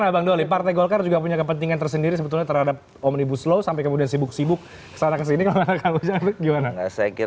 nah bang doli partai golkar juga punya kepentingan tersendiri sebetulnya terhadap omnibus law sampai kemudian sibuk sibuk kesana kesini kalau kang ujang gimana